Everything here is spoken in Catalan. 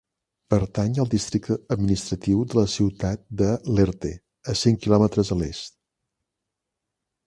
Pertany al districte administratiu de la ciutat de Lehrte, a cinc quilòmetres a l'est.